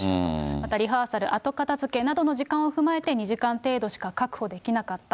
またリハーサル、後片づけなどの時間を踏まえて、２時間程度しか確保できなかった。